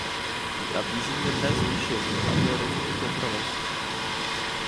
Nabízí mírné zvýšení a to je rozumný kompromis.